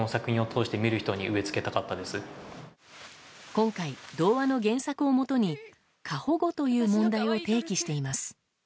今回、童話の原作をもとに過保護という問題を提起しています。